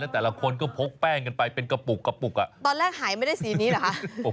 แต่ละคนก็พกแป้งกันไปเป็นกระปุกกระปุกอ่ะตอนแรกหายไม่ได้สีนี้เหรอคะ